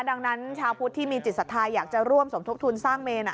ดังนั้นชาวพุทธที่มีจิตศรัทธาอยากจะร่วมสมทบทุนสร้างเมน